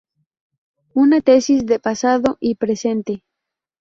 Una síntesis de pasado y presente.